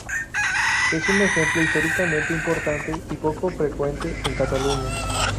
Es un ejemplo históricamente importante y poco frecuente en Cataluña.